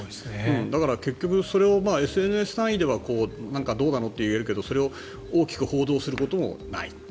だから結局それをＳＮＳ単位ではどうなのって言えるけどそれを大きく報道することもない。